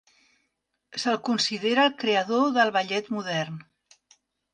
Se'l considera el creador del ballet modern.